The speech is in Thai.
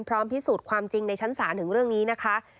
พิสูจน์ความจริงในชั้นศาลถึงเรื่องนี้นะคะ